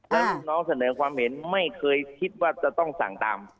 แล้วลูกน้องเสนอความเห็นไม่เคยคิดว่าจะต้องสั่งตาม